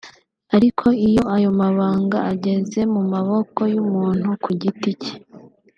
ariko iyo ayo mabanga ageze mu maboko y’umuntu ku giti cye